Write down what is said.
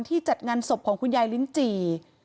จัดงานศพของคุณยายลิ้นจี่